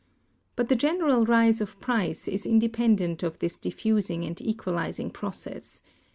But the general rise of price is independent of this diffusing and equalizing process.